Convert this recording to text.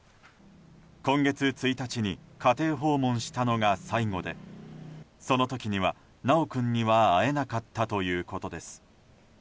今月１日に家庭訪問したのが最後でその時には修君には会えなかったということです。